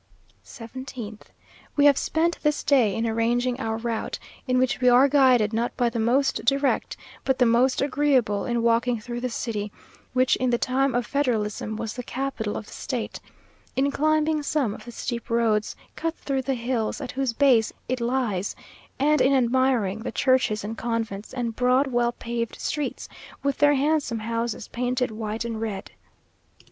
17th. We have spent this day in arranging our route, in which we are guided not by the most direct, but the most agreeable; in walking through the city, which, in the time of federalism, was the capital of the state, in climbing some of the steep roads cut through the hills, at whose base it lies; and in admiring the churches and convents, and broad, well paved streets with their handsome houses, painted white and red.